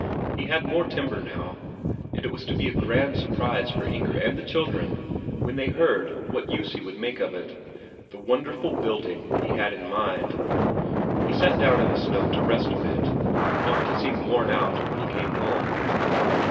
He had more timber now, and it was to be a grand surprise for Inger and the children when they heard what use he would make of it the wonderful building he had in mind. He sat down in the snow to rest a bit, not to seem worn out when he came home.